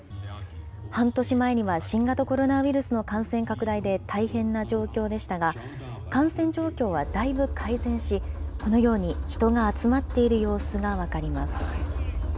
半年前には新型コロナウイルスの感染拡大で大変な状況でしたが、感染状況はだいぶ改善し、このように人が集まっている様子が分かります。